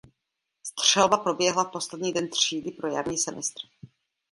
Střelba proběhla v poslední den třídy pro jarní semestr.